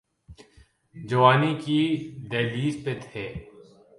جوانی کی دہلیز پہ تھے۔